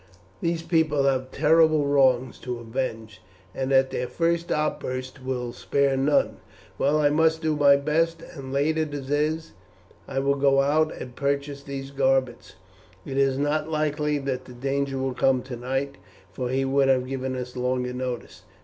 These people have terrible wrongs to avenge, and at their first outburst will spare none. Well, I must do my best, and late as it is I will go out and purchase these garments. It is not likely that the danger will come tonight, for he would have given us longer notice.